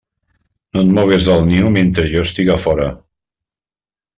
No et mogues del niu mentre jo estiga fora.